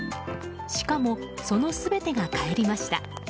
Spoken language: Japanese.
しかもその全てがかえりました。